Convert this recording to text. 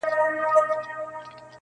مخامخ وتراشل سوي بت ته گوري~